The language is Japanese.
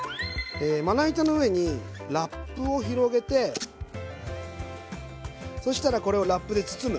えまな板の上にラップを広げてそしたらこれをラップで包む。